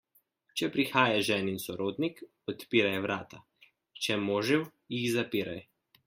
Če prihaja ženin sorodnik, odpiraj vrata, če možev, jih zapiraj.